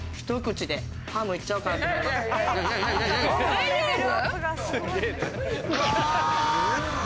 ・大丈夫？